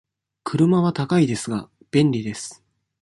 車は高いですが、便利です。